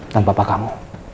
dan bapak kamu